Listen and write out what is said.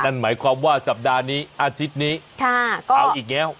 นั่นหมายความว่าสัปดาห์นี้อาทิตย์นี้ก็เอาอีกแล้ว